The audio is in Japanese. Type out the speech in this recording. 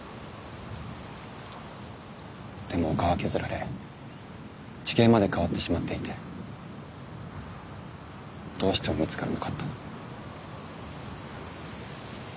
でも丘は削られ地形まで変わってしまっていてどうしても見つからなかった。